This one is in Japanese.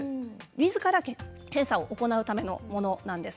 みずから検査を行うためのものなんです。